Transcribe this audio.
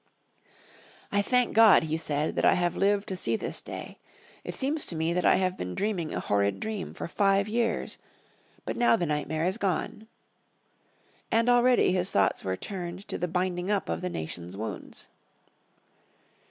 "I thank God," he said, "that I have lived to see this day. It seems to me that I have been dreaming a horrid dream for five years. But now the nightmare is gone." And already his thoughts were turned to the binding up of the nation's wounds.